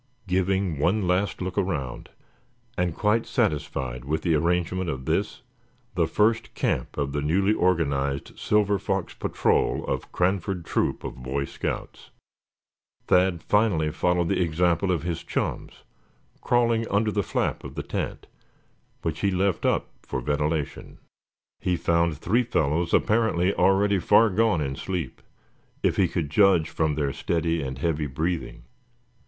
Giving one last look around, and quite satisfied with the arrangement of this, the first camp of the newly organized Silver Fox Patrol of Cranford Troop of Boy Scouts, Thad finally followed the example of his chums, crawling under the flap of the tent, which he left up for ventilation. He found three fellows apparently already far gone in sleep, if he could judge from their steady and heavy breathing.